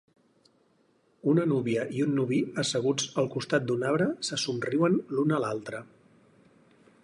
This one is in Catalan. Una núvia i un nuvi asseguts al costat d'un arbre se somriuen l'un a l'altre.